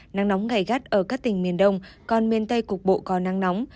nắng nóng gai gắt ở các tỉnh miền đông còn miền tây cục bộ có nắng nóng